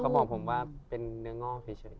ก็บอกผมว่าเป็นเนื้องอกเฉย